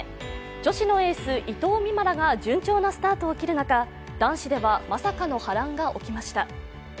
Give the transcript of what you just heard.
女子のエース、伊藤美誠らが順調なスタートを切る中男子では、まさかの波乱が起きました。